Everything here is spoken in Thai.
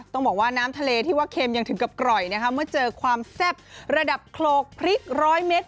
ต้องบอกว่าน้ำทะเลที่ว่าเค็มยังถึงกับกร่อยนะคะเมื่อเจอความแซ่บระดับโครกพริกร้อยเมตร